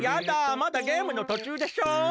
まだゲームのとちゅうでしょ！？